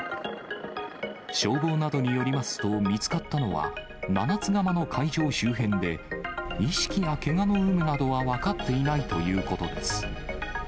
消防などによりますと、見つかったのは、七ツ釜の海上周辺で、意識やけがの有無などは分かっていないということです。